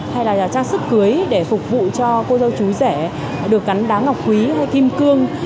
hay là trang sức cưới để phục vụ cho cô dâu chú rẻ được gắn đá ngọc quý hay kim cương